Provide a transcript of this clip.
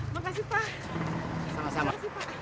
terima kasih pak